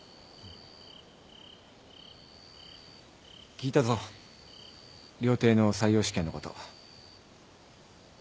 聞いたぞ料亭の採用試験のこと。